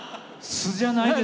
素じゃないです